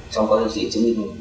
trong quan hệ chỉ chứng minh